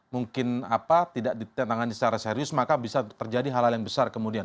mungkin tidak ditangani secara serius maka bisa terjadi hal hal yang besar kemudian